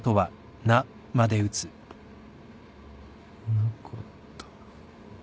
なかった。